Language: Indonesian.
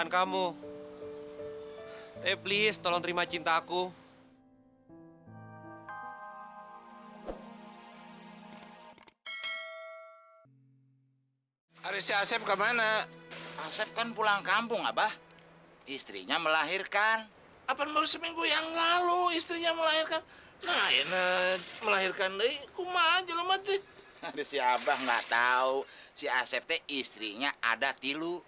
kamu mah ngagetin ngagetin aja kerjaan ya teh